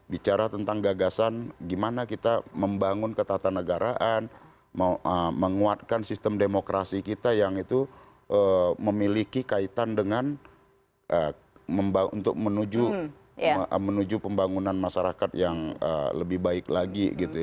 bicara tentang gagasan gimana kita membangun ketatanegaraan menguatkan sistem demokrasi kita yang itu memiliki kaitan dengan untuk menuju pembangunan masyarakat yang lebih baik lagi